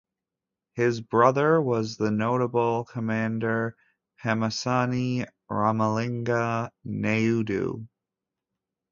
His brother was the notable Commander Pemmasani Ramalinga Nayudu.